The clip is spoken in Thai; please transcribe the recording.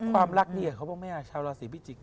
ความรักนี่เขาบอกแม่ชาวราศีพิจิกษ์